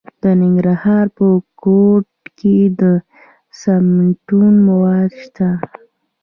د ننګرهار په کوټ کې د سمنټو مواد شته.